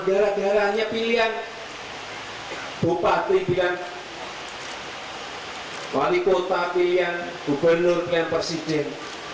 dan darah darahnya pilihan bupati pilihan wali kota pilihan gubernur pilihan presiden